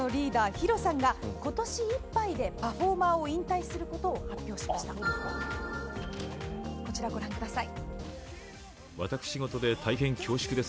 ＨＩＲＯさんが今年いっぱいでパフォーマーを引退することを発表しましたこちらご覧ください